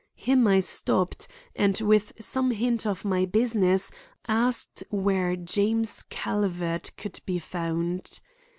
Him I stopped, and, with some hint of my business, asked where James Calvert could be found.